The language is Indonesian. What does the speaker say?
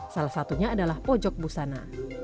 salah satunya adalah pojok busana